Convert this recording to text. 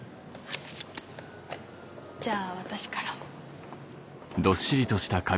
じゃあ私からも。